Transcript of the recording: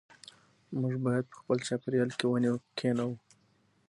موږ باید په خپل چاپېریال کې ونې کېنوو.